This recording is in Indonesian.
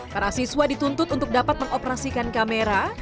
para siswa dituntut untuk dapat mengoperasikan kamera